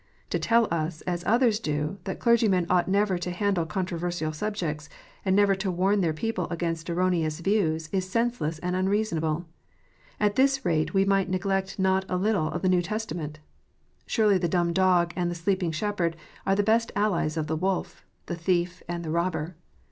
To tell us, as others do, that clergymen ought never to handle controversial subjects, and never to warn their people against erroneous views, is senseless and unreasonable. At this rate we might neglect not a little of the New Testament. Surely the dumb dog and the sleeping shepherd are the best allies of the wolf, the thief, and the robber.